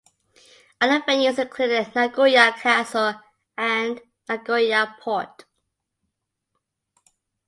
Other venues included Nagoya Castle and Nagoya Port.